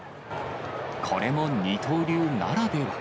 これも二刀流ならでは。